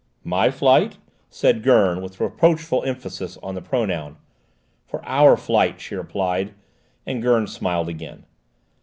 "My flight?" said Gurn, with reproachful emphasis on the pronoun. "For our flight," she replied, and Gurn smiled again.